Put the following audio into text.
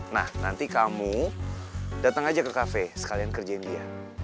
nah nanti kamu datang aja ke cafe sekalian kerjain dia